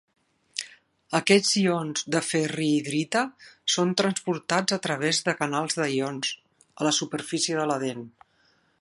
Aquests ions de ferrihidrita són transportats a través de canals de ions a la superfície de la dent.